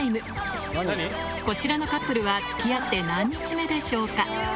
こちらのカップルは付き合って何日目でしょうか？